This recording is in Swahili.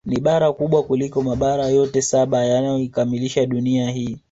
Ni bara kubwa kuliko Mabara yote saba yanayoikamilisha Dunia hii